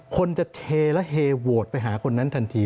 คนจะเทและเฮโหวตไปหาคนนั้นทันที